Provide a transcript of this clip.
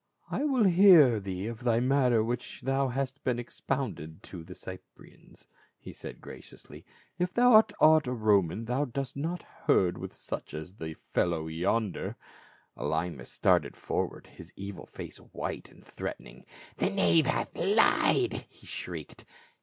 " I will hear thee of thy matters which thou hast been expounding to the Cyprians," he said graciously, "if thou art a Roman thou dost not herd with such as the fellow yonder." Elymas started forward, his evil face white and threatening. "The knave hath lied!" he shrieked.